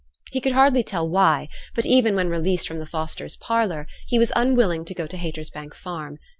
He could hardly tell why, but even when released from the Fosters' parlour, he was unwilling to go to Haytersbank Farm.